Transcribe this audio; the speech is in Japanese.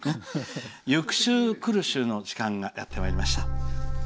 「ゆく週くる週」の時間がやってまいりました。